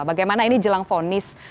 bagaimana ini jelang fonis